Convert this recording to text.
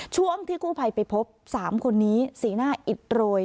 ช่วงที่กู้ไพรไปพบสามคนนี้ศีลหน้าอิดโรย